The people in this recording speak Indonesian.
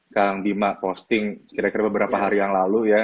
kang bima posting kira kira beberapa hari yang lalu ya